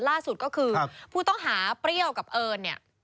ล่าสุดก็คือผู้ต้องหาเปรี้ยวกับเอิญเนี่ย